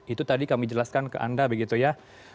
itu tadi kami jelaskan ke anda begitu ya